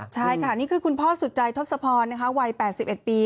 ใช่ค่ะนี่คือคุณพ่อสุดใจทศพรวัย๘๑ปี